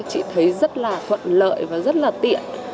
chị thấy rất là thuận lợi và rất là tiện